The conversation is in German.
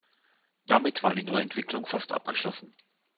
Damit war die Neuentwicklung fast abgeschlossen.